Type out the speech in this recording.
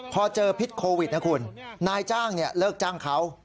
พอเจอพิษโควิดนะคุณนายจ้างเลิกจ้างเขา